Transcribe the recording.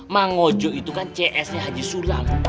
mang hojo itu kan csnya haji sulam